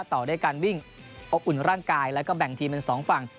ต่อด้วยการวิ่งอบอุ่นร่างกายแล้วก็แบ่งทีมเป็นสองฝั่ง